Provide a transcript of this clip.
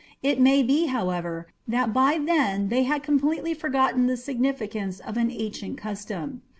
It may be, however, that by then they had completely forgotten the significance of an ancient custom.